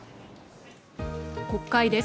国会です。